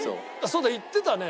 そうだ行ってたね。